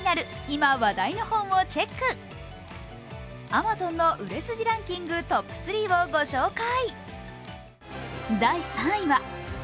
アマゾンの売れ筋ランキングトップ３を御紹介。